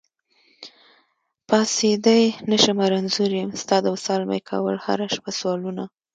پاڅېدی نشمه رنځور يم، ستا د وصال مي کول هره شپه سوالونه